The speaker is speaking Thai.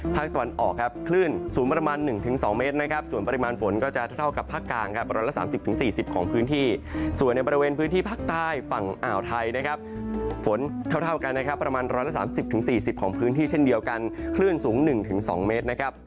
ตะวันออกครับคลื่นสูงประมาณ๑๒เมตรนะครับส่วนปริมาณฝนก็จะเท่ากับภาคกลางครับ๑๓๐๔๐ของพื้นที่ส่วนในบริเวณพื้นที่ภาคใต้ฝั่งอ่าวไทยนะครับฝนเท่ากันนะครับประมาณ๑๓๐๔๐ของพื้นที่เช่นเดียวกันคลื่นสูง๑๒เมตรนะครับ